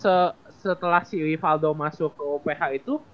so tapi setelah si cory faldonya masuk ke uph itu